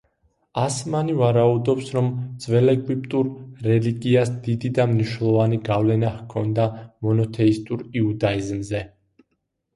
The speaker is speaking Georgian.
ასმანი ვარაუდობს, რომ ძველეგვიპტურ რელიგიას დიდი და მნიშვნელოვანი გავლენა ჰქონდა მონოთეისტურ იუდაიზმზე.